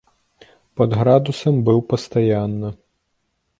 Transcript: Пад градусам быў пастаянна.